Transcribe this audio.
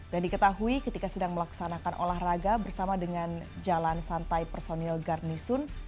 dan diketahui ketika sedang melaksanakan olahraga bersama dengan jalan santai personil garnisun